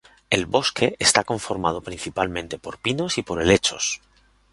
El bosque está conformado principalmente por pinos y por helechos.